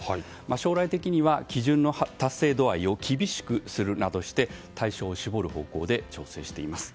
将来的には基準の達成度を厳しくするなどして対象を絞る方向で調整しています。